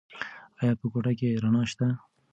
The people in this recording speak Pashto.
ایا په کوټه کې رڼا شته؟